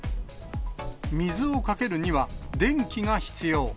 水をかけるには、電気が必要。